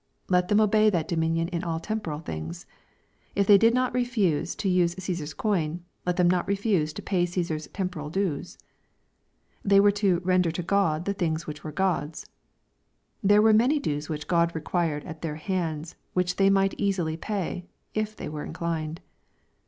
Let them obey that dominion in all temporal things. If they did not refuse to use Caesar's coin, let them not refuse to pay Caesar's temporal dues. They were ibo "render to God the things which were God's." There were many dues which God required at their hands which they might easily pay, if they were inclined.